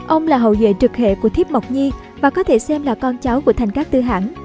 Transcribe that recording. ông là hậu vệ trực hệ của thiếp mộc nhi và có thể xem là con cháu của thành các tư hãng